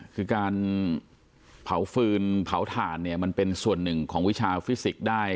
คือการเผาฟืนเผาถ่านเนี่ยมันเป็นส่วนหนึ่งของวิชาฟิสิกส์ได้